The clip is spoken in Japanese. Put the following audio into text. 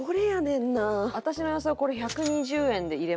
私の予想はこれ１２０円で入れます。